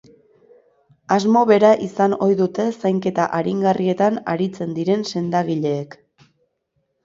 Asmo bera izan ohi dute zainketa aringarrietan aritzen diren sendagileek.